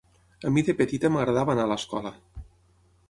A mi de petita m'agradava anar a l'escola.